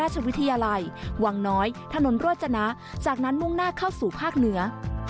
หัวน้อยถนนโรจนะจากนั้นมุ่งหน้าเข้าขึ้นสู่ภาคเหนือ